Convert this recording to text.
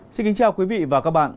xin kính chào quý vị và các bạn